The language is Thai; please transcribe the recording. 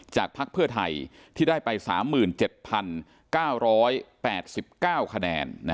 พักเพื่อไทยที่ได้ไป๓๗๙๘๙คะแนน